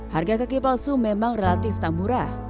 harga kaki palsu memang relatif tak murah